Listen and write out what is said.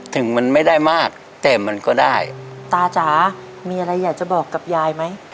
ถึงมันไม่ได้มากแต่มันก็ได้ตาจ๋ามีอะไรอยากจะบอกกับยายไหม